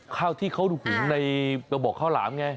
ข้าวที่เขาหุงในกระบอกข้าวหลามไง